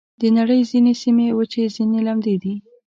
د نړۍ ځینې سیمې وچې، ځینې لمدې دي.